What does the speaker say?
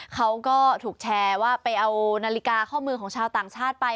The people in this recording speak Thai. เขาก็ถูกแชร์ว่าไปเอานาฬิกาข้อมือของชาวต่างชาติไป